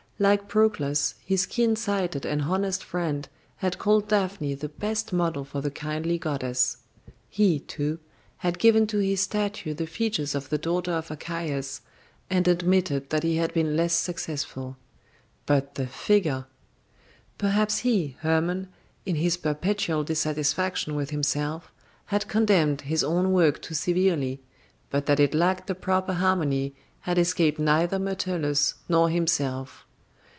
Like Proclus, his keen sighted and honest friend had called Daphne the best model for the kindly goddess. He, too, had given to his statue the features of the daughter of Archias, and admitted that he had been less successful. But the figure! Perhaps he, Hermon, in his perpetual dissatisfaction with himself had condemned his own work too severely, but that it lacked the proper harmony had escaped neither Myrtilus nor himself.